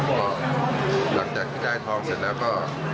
ผลักจากที่กายทองเสร็จแล้วก็